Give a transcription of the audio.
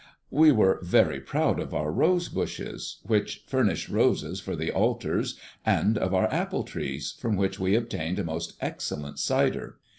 We were very proud of our rose bushes, which furnished roses for the altars, and of our apple trees, from which we obtained a most excellent cider.